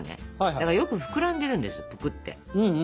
だからよく膨らんでるんですぷくって。